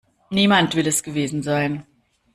Niemand will es gewesen sein.